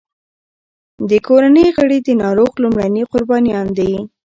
د کورنۍ غړي د ناروغ لومړني قربانیان دي.